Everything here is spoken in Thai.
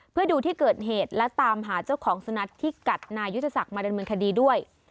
เพื่อดูที่เกิดเหตุและตามหาเจ้าของสุนัขที่กัดนายุทธศักดิ์มาดำเนินคดีด้วย